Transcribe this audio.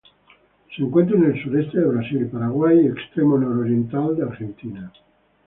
Se encuentra en el sureste de Brasil, Paraguay y extremo nororiental de Argentina.